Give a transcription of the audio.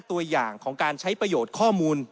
ตัวอย่างของการใช้ประโยชน์ข้อมูล